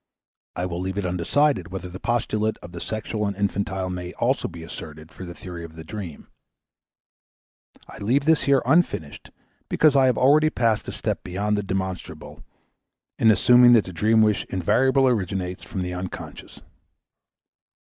I will leave it undecided whether the postulate of the sexual and infantile may also be asserted for the theory of the dream; I leave this here unfinished because I have already passed a step beyond the demonstrable in assuming that the dream wish invariably originates from the unconscious.